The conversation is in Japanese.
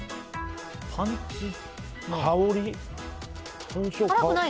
パンチ香り？